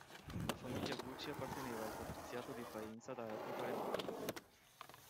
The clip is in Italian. La famiglia Gucci apparteneva al patriziato di Faenza da epoca remota.